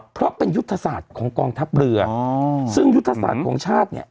เพราะเป็นยุทธศาสตร์ของกองทัพเรือซึ่งยุทธศาสตร์ของชาติเนี่ย